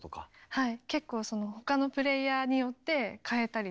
はい。